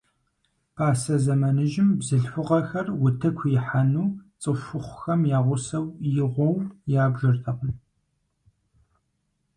Пасэ зэманыжьым бзылъхугъэхэр утыку ихьэну цӀыхухъухэм я гъусэу игъуэу ябжыртэкъым.